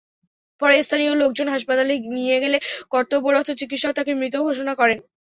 পরে স্থানীয় লোকজন হাসপাতালে নিয়ে গেলে কর্তব্যরত চিকিৎসক তাঁকে মৃত ঘোষণা করেন।